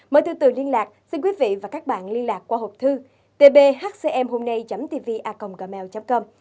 mời từ từ liên lạc xin quý vị và các bạn liên lạc qua hộp thư tbhcmhomnay tvacomgmail com